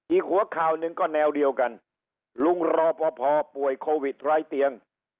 อีกหัวข่าวหนึ่งก็แนวเดียวกันลุงรอปภป่วยโควิดไร้เตียง